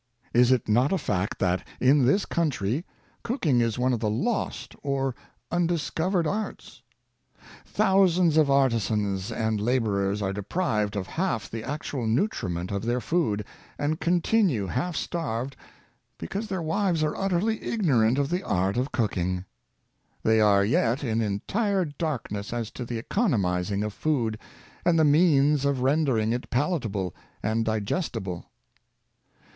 Is it not a fact that, in this country, cooking is one of the lost or undiscovered arts ? Thousands of artisans and laborers are deprived of half the actual nutriment of their food, and continue half starved, because their wives are utterly ignorant of the art of cooking. They are yet in entire darkness as to the economizing of food, and the means of ren dering it palatable and digestible.